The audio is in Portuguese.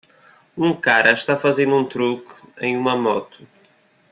Um cara está fazendo um truque em uma moto.